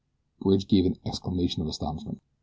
Bridge gave an exclamation of astonishment.